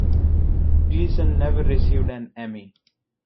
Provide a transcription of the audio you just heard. Gleason never received an Emmy.